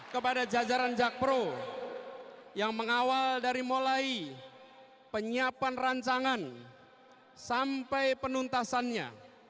kepada jajaran jakpro yang mengawal dari mulai penyiapan rancangan sampai penuntasannya